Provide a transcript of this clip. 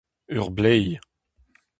Ur bleiz !